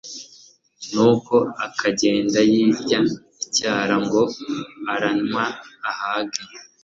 Nuko akagenda yirya icyara ngo aranywa ahage